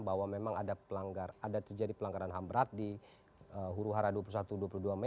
bahwa memang ada terjadi pelanggaran ham berat di huru hara dua puluh satu dua puluh dua mei